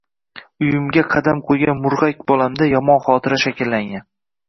Uyiga qadam qoʻygan moʻrgʻak bolamda yomon xotira shakllangan